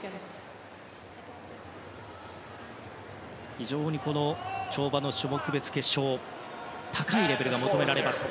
非常に跳馬の種目別決勝は高いレベルが求められます。